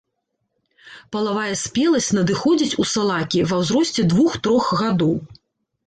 Палавая спеласць надыходзіць у салакі ва ўзросце двух-трох гадоў.